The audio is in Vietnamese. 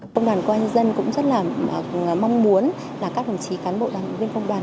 công đoàn công an nhân dân cũng rất là mong muốn là các đồng chí cán bộ đảng viên công đoàn